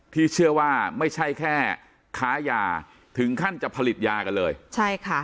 ที่เชื่อว่าไม่ใช่แค่ค้ายาถึงขั้นจะผลิตยากันเลยใช่ค่ะ